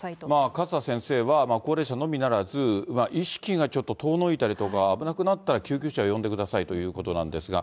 かつた先生は、高齢者のみならず、意識がちょっと遠のいたりとか、危なくなったら、救急車を呼んでくださいということなんですが。